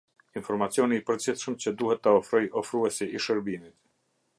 Informacioni i përgjithshëm që duhet ta ofrojë ofruesi i shërbimit.